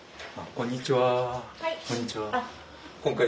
こんにちは。